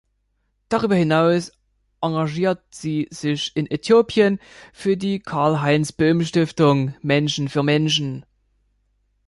Darüber hinaus engagiert sie sich in Äthiopien für die Karlheinz-Böhm-Stiftung Menschen für Menschen.